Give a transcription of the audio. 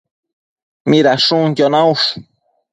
Midashunquio naush?